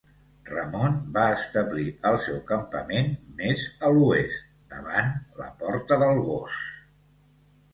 Ramon va establir el seu campament més a l'oest, davant la Porta del Gos.